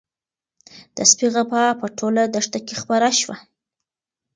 د سپي غپا په ټوله دښته کې خپره شوه.